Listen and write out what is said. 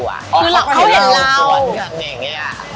อ๋อเขาเห็นเราอ๋อเขาเห็นเราสวนกันอย่างเงี้ยอ่ะ